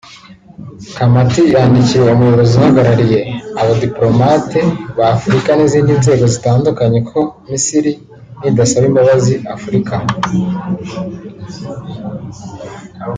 Khamati yandikiye umuyobozi uhagarariye abadipolomate ba Afurika n’izindi nzego zitandukanye ko Misiri nidasaba imbabazi Afurika